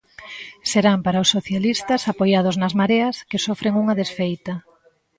Serán para os socialistas apoiados nas mareas, que sofren unha desfeita.